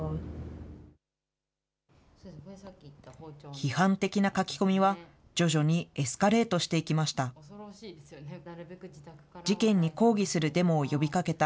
批判的な書き込みは、徐々にエスカレートしていきました。